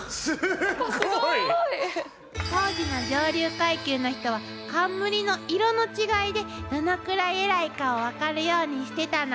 すごい。当時の上流階級の人は冠の色の違いでどのくらい偉いかを分かるようにしてたの。